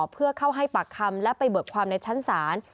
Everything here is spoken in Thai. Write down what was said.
เพื่อเข้าให้ปากคำและไปเบิกความในชั้นศาล